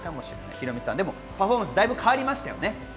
ヒロミさん、パフォーマンスだいぶ変わりましたよね。